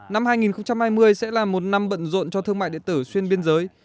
năm hai nghìn hai mươi sẽ là một năm bận rộn cho thương mại điện tử xuyên biên giới